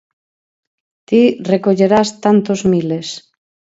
Ti recollerás tantos miles.